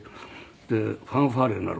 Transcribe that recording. でファンファーレが鳴る。